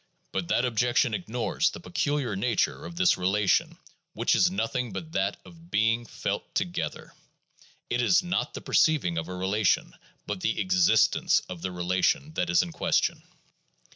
But that objection ignores the peculiar nature of this relation, which is nothing but that of being felt together. It is not the perceiving of a relation, but the existence of the relation, that is in question.